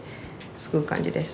すくう感じです。